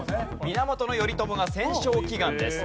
源頼朝が戦勝祈願です。